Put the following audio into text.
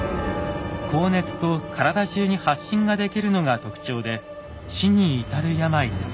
高熱と体中に発疹ができるのが特徴で死に至る病です。